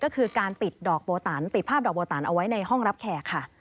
ก็คือการปิดดอกโบตันติดภาพดอกโบตันเอาไว้ในห้องรับแขกค่ะ